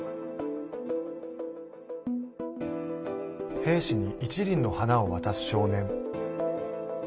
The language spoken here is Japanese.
兵士に一輪の花を渡す少年。